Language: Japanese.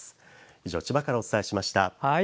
以上、千葉からお伝えしました。